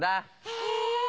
へえ！